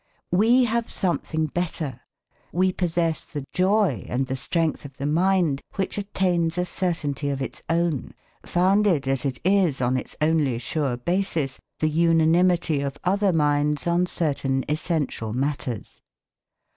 We have something better; we possess the joy and the strength of the mind which attains a certainty of its own, founded, as it is, on its only sure basis, the unanimity of other minds on certain essential matters.